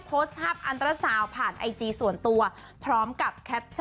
พสภาพอัตรสาวผ่านอ้ายจีส์ส่วนตรัสผสมพร้อมกับ